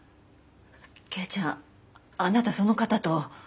圭ちゃんあなたその方と。